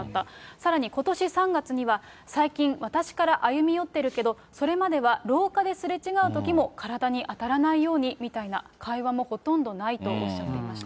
さらにことし３月には、最近、私から歩み寄ってるけど、それまでは廊下ですれ違うときも体に当たらないようにみたいな、会話もほとんどないとおっしゃっていました。